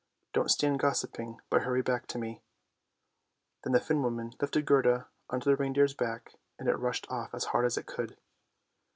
Don't stand gossiping, but hurry back to me! " Then the Finn woman lifted Gerda on to the reindeer's back, and it rushed off as hard as it could.